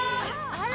あら！